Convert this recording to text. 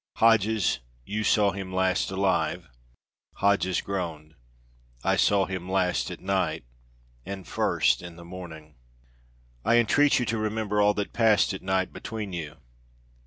Hodges, you saw him last alive!" Hodges groaned. "I saw him last at night, and first in the morning." "I entreat you to remember all that passed at night between you!"